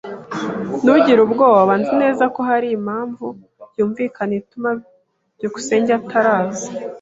[S] Ntugire ubwoba. Nzi neza ko hari impamvu yumvikana ituma byukusenge ataraza.